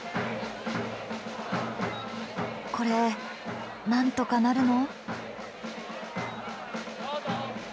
これなんとかなるの？